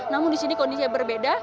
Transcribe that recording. namun di sini kondisinya berbeda